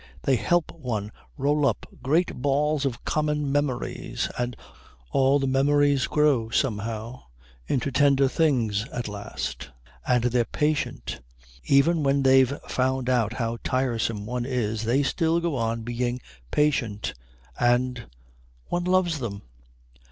They help one roll up great balls of common memories, and all the memories grow somehow into tender things at last. And they're patient. Even when they've found out how tiresome one is they still go on being patient. And one loves them."